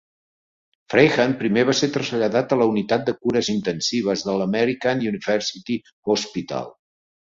Fleihan primer va ser traslladat a la unitat de cures intensives del American University Hospital.